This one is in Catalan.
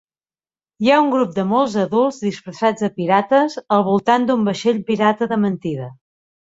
Hi ha un grup de molts adults disfressats de pirates al voltant d'un vaixell pirata de mentida.